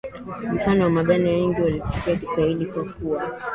mfano waganda wengi walikichukia kiswahili kwa kuwa